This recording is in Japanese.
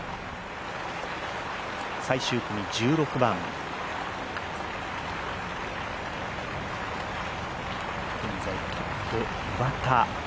最終組１６番、現在トップ・岩田。